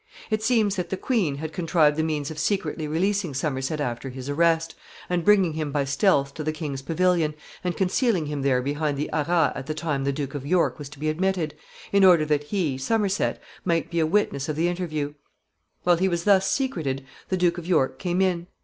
It seems that the queen had contrived the means of secretly releasing Somerset after his arrest, and bringing him by stealth to the king's pavilion, and concealing him there behind the arras at the time the Duke of York was to be admitted, in order that he, Somerset, might be a witness of the interview. While he was thus secreted, the Duke of York came in.